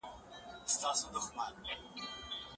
د دولت رئیس د هیواد غم نه کوي.